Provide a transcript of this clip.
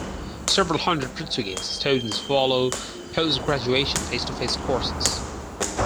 Several hundred Portuguese students follow post-graduation face-to-face courses.